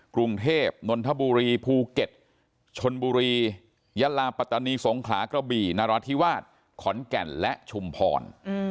กรุงเทพนนทบุรีภูเก็ตชนบุรียะลาปัตตานีสงขลากระบี่นราธิวาสขอนแก่นและชุมพร